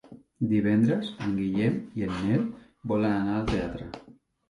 Divendres en Guillem i en Nel volen anar al teatre.